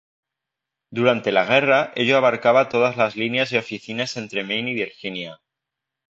Durante la guerra, ello abarcaba todas las líneas y oficinas entre Maine y Virginia.